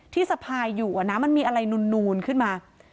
สะพายอยู่นะมันมีอะไรนูนขึ้นมา